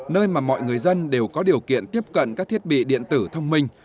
nơi mà mọi người dân đều có điều kiện tiếp cận các thiết bị điện tử thông minh